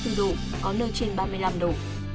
phía bắc có nơi trên ba mươi năm độ